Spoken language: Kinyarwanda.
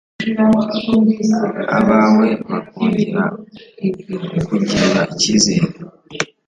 abawe bakongera kukugirira icyizere